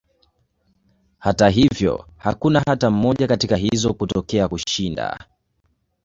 Hata hivyo, hakuna hata moja katika hizo kutokea kushinda.